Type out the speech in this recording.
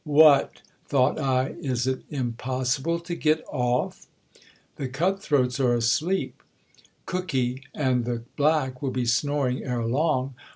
What ! thought I, is it impossible to get off? The cut throats are asleep ; cooky and the black will be snoring ere long.